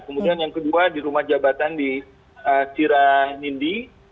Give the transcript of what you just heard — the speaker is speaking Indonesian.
kemudian yang kedua di rumah jabatan di sira nindi